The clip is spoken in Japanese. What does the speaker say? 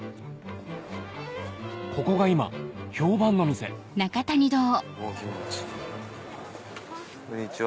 ここが今評判の店こんにちは。